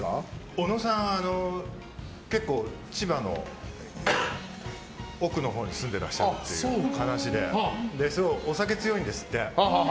小野さん、結構千葉の奥のほうに住んでらっしゃるっていう話ですごい、お酒強いんですって。